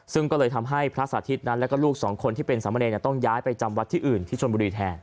ซึ่งก็เลยทำให้พระสาธิตนั้นแล้วก็ลูกสองคนที่เป็นสามเณรต้องย้ายไปจำวัดที่อื่นที่ชนบุรีแทน